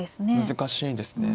難しいんですね。